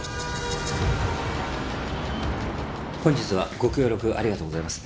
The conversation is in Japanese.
本日はご協力ありがとうございます。